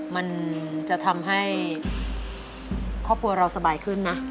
มันจะทำให้ครอบครัวเราสบายขึ้นนะ